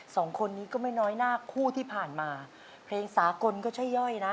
สองคนนี้ก็ไม่น้อยหน้าคู่ที่ผ่านมาเพลงสากลก็ใช่ย่อยนะ